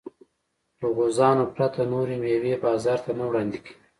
له غوزانو پرته نورې مېوې بازار ته نه وړاندې کېږي.